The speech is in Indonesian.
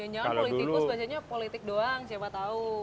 jangan jangan politikus bacanya politik doang siapa tahu